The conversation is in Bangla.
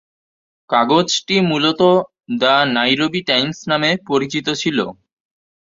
কাগজটি মূলত দ্য নাইরোবি টাইমস নামে পরিচিত ছিল।